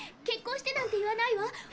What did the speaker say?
結婚してなんて言わないわ。